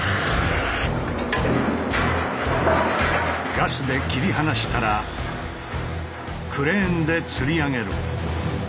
ガスで切り離したらクレーンでつり上げる。